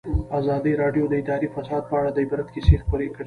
ازادي راډیو د اداري فساد په اړه د عبرت کیسې خبر کړي.